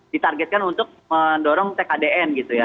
ditargetkan untuk mendorong tkdn gitu ya